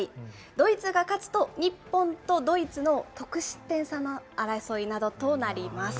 ドイツが勝つと、日本とドイツの得失点差の争いなどとなります。